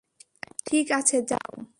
ঠিক আছে যাও!